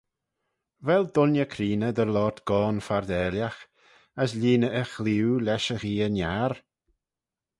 Vel dooinney creeney dy loayrt goan fardalagh, as lhieeney e chleeau lesh y gheay-niar?